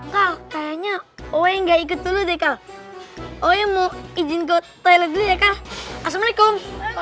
kayaknya gue nggak ikut dulu deh kau oh iya mau izin ke toilet ya kak assalamualaikum